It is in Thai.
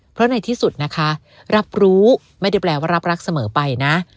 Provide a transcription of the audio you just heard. เพราะในที่สุดนะคะรับรู้ไม่ได้แปลว่ารับรักเสมอไปนะ